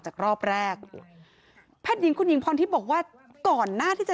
จากรอบแรกแพทย์หญิงคุณหญิงพรทิพย์บอกว่าก่อนหน้าที่จะ